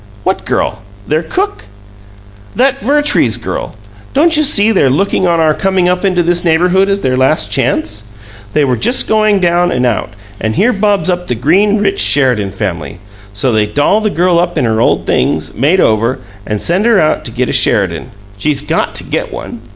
"What girl? Their cook?" "That Vertrees girl! Don't you see they looked on our coming up into this neighborhood as their last chance? They were just going down and out, and here bobs up the green, rich Sheridan family! So they doll the girl up in her old things, made over, and send her out to get a Sheridan she's GOT to get one!